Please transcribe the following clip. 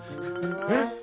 えっ？